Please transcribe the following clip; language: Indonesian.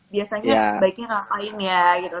biasanya baiknya ngapain ya gitu